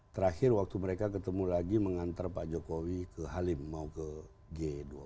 terakhir waktu mereka ketemu lagi mengantar pak jokowi ke halim mau ke g dua puluh